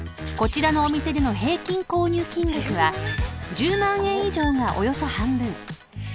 ［こちらのお店での平均購入金額は１０万円以上がおよそ半分］